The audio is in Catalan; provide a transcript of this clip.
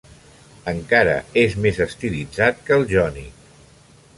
Encara és més estilitzat que el jònic.